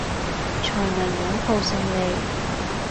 才能擁抱勝利